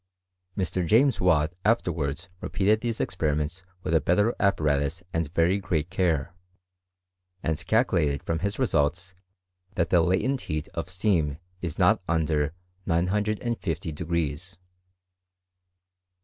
Mr. James Watt afterwards repeated these experi ments with a better apparatus and very great care, and calculated from his results that the latent heat of steam is not under 950 degrees.